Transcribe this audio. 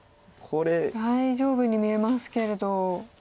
大丈夫に見えますけれど。